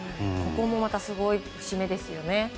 ここもまたすごい節目ですよね。